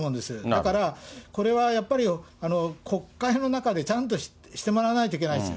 だから、これはやっぱり国会の中でちゃんとしてもらわないといけないです。